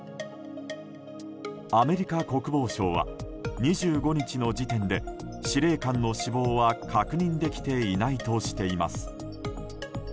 アメリカ国防省は２５日の時点で司令官の死亡は確認できていないとしています。